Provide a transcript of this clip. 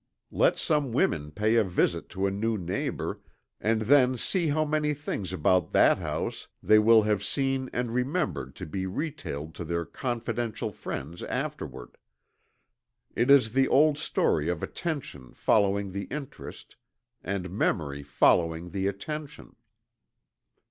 Let some women pay a visit to a new neighbor, and then see how many things about that house they will have seen and remembered to be retailed to their confidential friends afterward. It is the old story of attention following the interest, and memory following the attention.